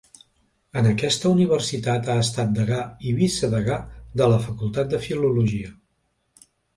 En aquesta universitat ha estat degà i vicedegà de la Facultat de Filologia.